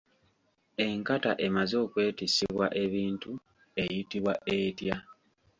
Enkata emaze okwetissibwa ebintu eyitibwa etya?